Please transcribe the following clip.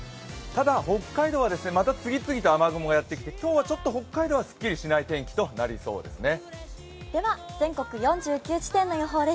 ただ、北海道はまた次々と雨雲がやってきて今日は北海道はすっきりしない天気となりそうですね。